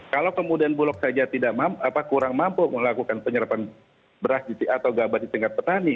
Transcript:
kalau kemudian bulog saja kurang mampu melakukan penyerapan beras atau gabah di tingkat petani